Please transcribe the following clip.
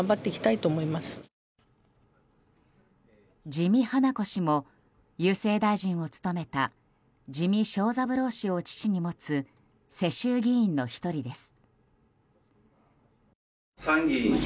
自見英子氏も郵政大臣を務めた自見庄三郎氏を父に持つ世襲議員の１人です。